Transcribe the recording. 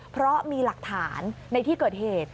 เพราะมีหลักฐานในที่เกิดเหตุ